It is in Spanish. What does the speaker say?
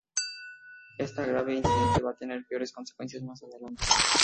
Este grave incidente va a tener peores consecuencias más adelante.